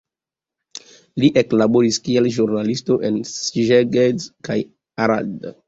Li eklaboris kiel ĵurnalisto en Szeged kaj Arad.